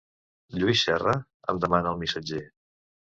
Lluís Serra? —em demana el missatger.